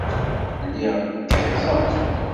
Lliɣ gerrzeɣ.